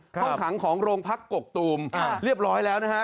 ห้องขังของโรงพักกกตูมเรียบร้อยแล้วนะฮะ